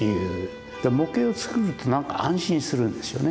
模型を作ると何か安心するんですよね。